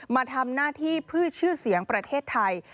มาทำหน้าที่เพื่อชื่อเสียงประเทศไทย